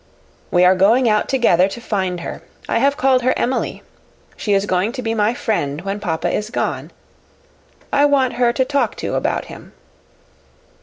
We are going out together to find her. I have called her Emily. She is going to be my friend when papa is gone. I want her to talk to about him."